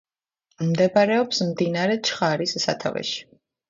მდებარეობს მდინარე ჩხარის სათავეში.